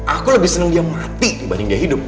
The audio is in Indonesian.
aku lebih senang dia mati dibanding dia hidup